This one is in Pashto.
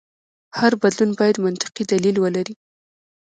هر بدلون باید منطقي دلیل ولري.